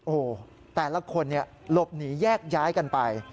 โอ้โหแต่ละคนหลบหนีแยกย้ายกันไป